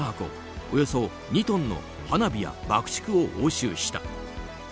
およそ２トンの花火や爆竹を押収した。